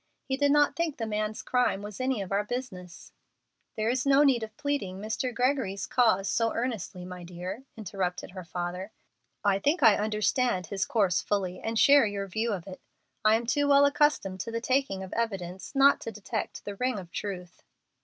He did not think the man's crime was any of our business " "There is no need of pleading Mr. Gregory's cause so earnestly, my dear," interrupted her father. "I think I understand his course fully, and share your view of it. I am too well accustomed to the taking of evidence not to detect the ring of truth."